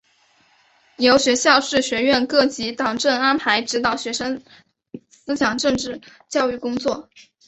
由学校至学院各级党委安排指导学生思想政治教育工作。